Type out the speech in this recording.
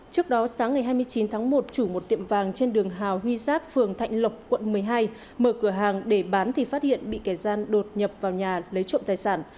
trước đó sáng ngày hai mươi chín tháng một chủ một tiệm vàng trên đường hào huy giáp phường thạnh lộc quận một mươi hai mở cửa hàng để bán thì phát hiện bị kẻ gian đột nhập vào nhà lấy trộm tài sản